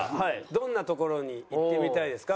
どんな所に行ってみたいですか？